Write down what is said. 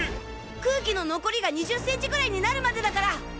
空気の残りが２０センチぐらいになるまでだから！